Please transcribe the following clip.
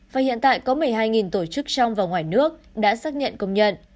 và hiện tại có một mươi hai tổ chức trong và ngoài nước đã xác nhận công nhận